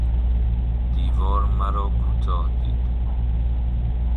دیوار مراکوتاه دید